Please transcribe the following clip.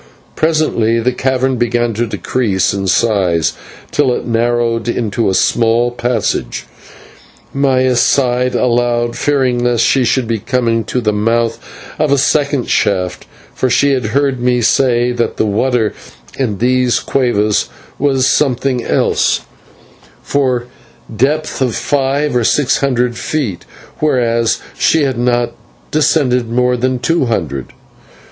Presently the cavern began to decrease in size till it narrowed into a small passage, and Maya sighed aloud, fearing lest she should be coming to the mouth of a second shaft, for she had heard me say that the water in these /cuevas/ was sometimes found at a depth of five or six hundred feet, whereas she had not descended more than two hundred.